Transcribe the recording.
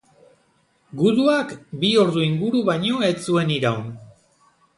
Guduak, bi ordu inguru baino ez zuen iraun.